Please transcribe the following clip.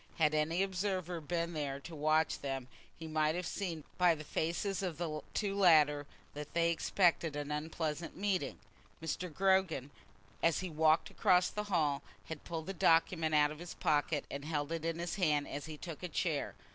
Had any observer been there to watch them he might have seen by the faces of the two latter that they expected an unpleasant meeting. Mr. Gogram, as he had walked across the hall, had pulled a document out of his pocket, and held it in his hand as he took a chair.